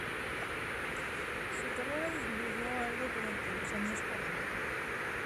Su carrera disminuyó algo durante los años cuarenta.